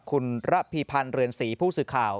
คุณระพีพันธ์เรือนศรีผู้สื่อข่าว